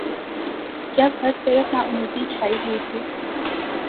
جب ہر طرف ناامیدی چھائی ہوئی تھی۔